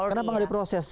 kenapa nggak diproses